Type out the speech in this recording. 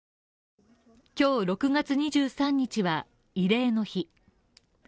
今日６月２３日は慰霊の日。